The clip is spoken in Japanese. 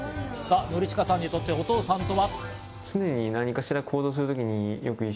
典親さんにとってお父さんとは？